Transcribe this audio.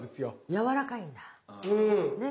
柔らかいんだ。ね。